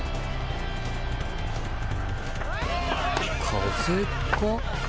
風か？